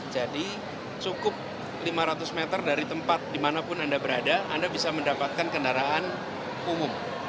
jadi cukup lima ratus meter dari tempat dimanapun anda berada anda bisa mendapatkan kendaraan umum